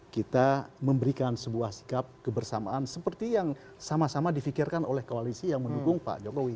kita memberikan sebuah sikap kebersamaan seperti yang sama sama difikirkan oleh koalisi yang mendukung pak jokowi